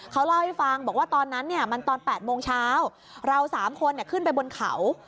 เขาเล่าให้ฟังบอกว่าตอนนั้นเนี่ยมันตอน๘โมงเช้าเรา๓คนขึ้นไปบนเขา